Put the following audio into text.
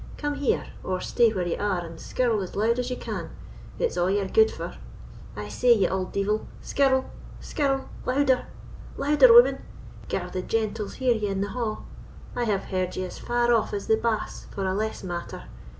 Come here—or stay where ye are, and skirl as loud as ye can; it's a' ye're gude for. I say, ye auld deevil, skirl—skirl—louder—louder, woman; gar the gentles hear ye in the ha'. I have heard ye as far off as the Bass for a less matter.